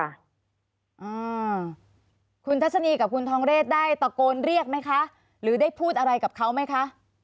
อ่าคุณทัศนีกับคุณทองเรศได้ตะโกนเรียกไหมคะหรือได้พูดอะไรกับเขาไหมคะ